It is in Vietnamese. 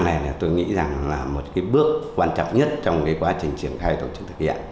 đối tượng thiểm năng là một bước quan trọng nhất trong quá trình triển khai tổ chức thực hiện